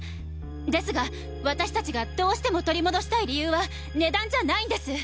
ですが私たちがどうしても取り戻したい理由は値段じゃないんです。